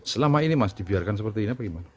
selama ini mas dibiarkan seperti ini apa gimana